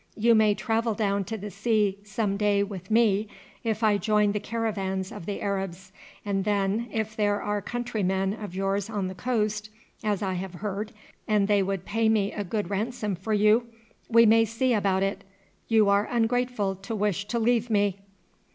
You may travel down to the sea some day with me if I join the caravans of the Arabs, and then if there are countrymen of yours on the coast, as I have heard, and they would pay me a good ransom for you, we may see about it. You are ungrateful to wish to leave me."